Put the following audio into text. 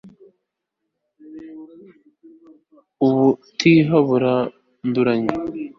ubutiha buranduranya